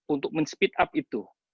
untuk men speed up itu